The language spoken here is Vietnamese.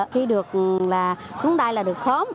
khi được xuống đây là được khóm